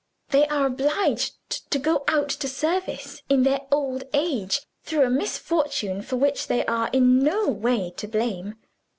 "They are obliged to go out to service in their old age, through a misfortune for which they are in no way to blame.